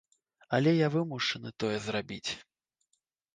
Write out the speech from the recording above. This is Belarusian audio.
Але я вымушаны тое зрабіць.